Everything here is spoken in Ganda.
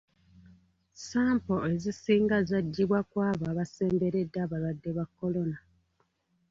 Sampolo ezisinga zaggyibwa ku abo abasemberedde abalwadde ba kolona.